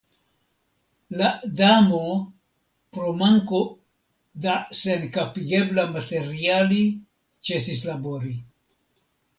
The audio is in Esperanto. La Damo pro manko da senkapigebla materialo ĉesis labori.